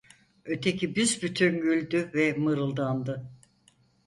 Öteki büsbütün güldü ve mırıldandı: